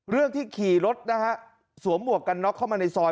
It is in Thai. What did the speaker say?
เรื่องที่ขี่รถนะฮะสวมหมวกกันน็อกเข้ามาในซอย